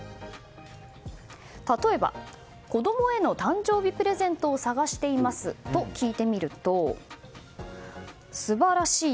例えば、子供への誕生日プレゼントを探していますと聞いてみると素晴らしい！